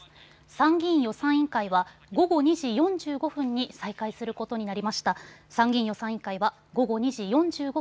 参議院予算委員会は午後２時４５分に再開することになりました。